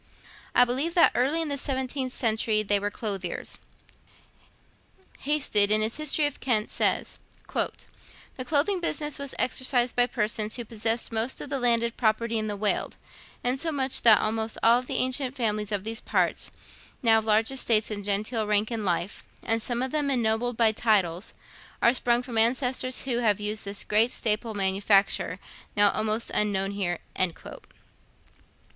I believe that early in the seventeenth century they were clothiers. Hasted, in his history of Kent, says: 'The clothing business was exercised by persons who possessed most of the landed property in the Weald, insomuch that almost all the ancient families of these parts, now of large estates and genteel rank in life, and some of them ennobled by titles, are sprung from ancestors who have used this great staple manufacture, now almost unknown here.'